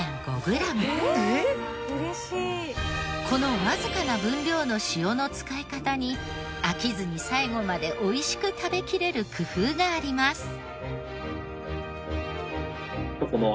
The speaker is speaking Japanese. このわずかな分量の塩の使い方に飽きずに最後までおいしく食べきれる工夫があります。